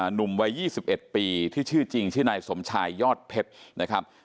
หนุ่มวัย๒๑ปีที่ชื่อจริงชื่อนายสมชายยอดเพชรนะครับ